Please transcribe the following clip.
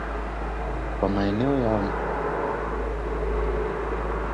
Maeneo yao mengi yanazidiwa na Wadatooga